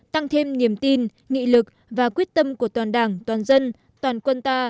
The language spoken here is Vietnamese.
tăng thêm niềm tin nghị lực và quyết tâm của toàn đảng toàn dân toàn quân ta